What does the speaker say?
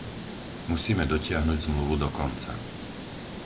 Musíme dotiahnuť zmluvu do konca.